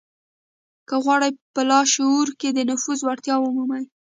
که غواړئ په لاشعور کې د نفوذ وړتيا ومومئ.